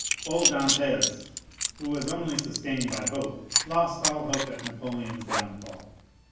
Old Dantès, who was only sustained by hope, lost all hope at Napoleon's downfall.